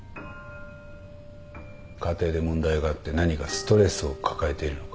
家庭で問題があって何かストレスを抱えているのか？